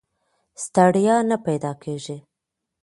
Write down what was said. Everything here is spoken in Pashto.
ستړیا نه پیدا کېږي.